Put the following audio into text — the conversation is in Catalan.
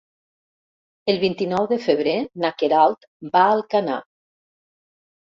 El vint-i-nou de febrer na Queralt va a Alcanar.